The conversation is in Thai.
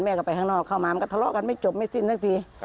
ไปข้างนอกเข้ามามันก็ทะเลาะกันไม่จบไม่สิ้นสักที